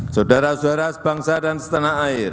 saudara saudara sebangsa dan setan